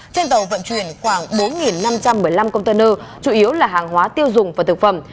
trên tàu vận chuyển khoảng bốn năm trăm một mươi năm container chủ yếu là hàng hóa tiêu dùng và thực phẩm